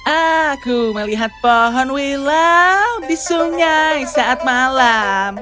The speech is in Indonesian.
aku melihat pohon wilau disunyai saat malam